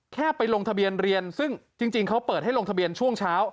แค่ไปลงทะเบียนเรียนซึ่งจริงเขาเปิดให้ลงทะเบียนช่วงเช้า